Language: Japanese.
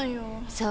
そう。